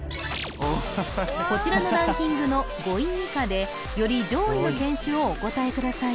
こちらのランキングの５位以下でより上位の犬種をお答えください